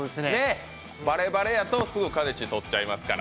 バレバレやと、すぐかねちー取っちゃいますから。